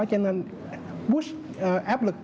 cho nên push áp lực